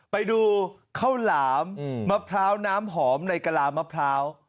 ไปดูข้าวหลามมะพร้าวน้ำหอมในกะลามะพร้าว